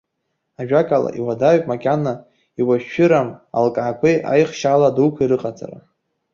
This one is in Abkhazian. Ажәакала, иуадаҩуп макьана иуашәшәырам алкаақәеи аихшьаала дуқәеи рыҟаҵара.